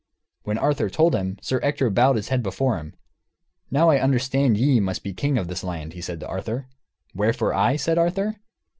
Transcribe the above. When Arthur told him, Sir Ector bowed his head before him. "Now I understand ye must be king of this land," he said to Arthur. "Wherefore I?" said Arthur.